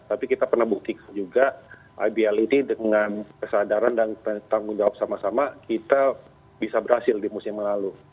tapi kita pernah buktikan juga ibl ini dengan kesadaran dan tanggung jawab sama sama kita bisa berhasil di musim lalu